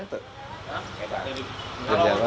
itu bisa sampai jam jamannya